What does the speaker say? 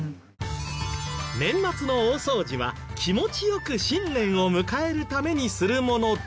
年末の大掃除は気持ちよく新年を迎えるためにするものだけど。